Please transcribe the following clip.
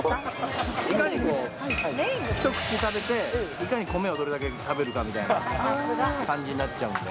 いかにこう、一口食べて、いかに米をどれだけ食べるかみたいな感じになっちゃうんで。